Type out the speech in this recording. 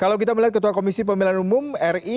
kalau kita melihat ketua komisi pemilihan umum ri